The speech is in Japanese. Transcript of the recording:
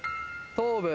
頭部。